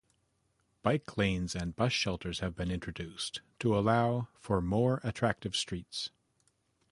Bike lanes and bus shelters have been introduced to allow for more attractive streets.